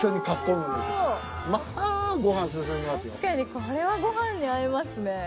確かにこれはご飯に合いますね。